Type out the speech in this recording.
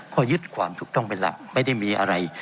ก็ยึดความถูกต้องเป็นหลักไม่ได้มีอะไร